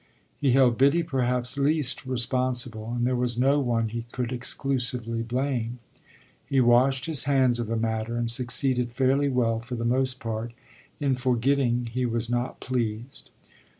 He held Biddy perhaps least responsible, and there was no one he could exclusively blame. He washed his hands of the matter and succeeded fairly well, for the most part, in forgetting he was not pleased.